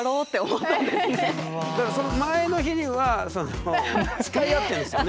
だからその前の日にはその誓い合ってんですよね？